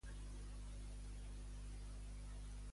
Quan la tinguis restaurada l'haurem de batejar oi?